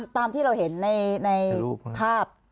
ตามที่เราเห็นในภาพ